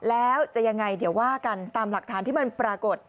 แล้วจะยังไงเดี๋ยวว่ากันตามหลักฐานที่มันปรากฏ